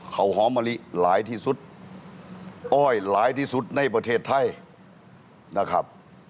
เขาหอมมะลิหลายที่สุดอ้อยหลายที่สุดในประเทศไทยนะครับ